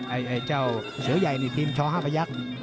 ไอ้เจ้าเสือใหญ่ได้ทีมชอห้าประยักษณ์